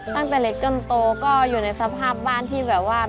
ตั้งแต่เล็กจนโตก็อยู่ในสภาพบ้านที่แบบว่า